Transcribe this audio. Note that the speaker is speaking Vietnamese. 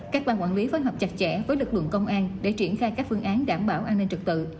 các ban quản lý phối hợp chặt chẽ với lực lượng công an để triển khai các phương án đảm bảo an ninh trật tự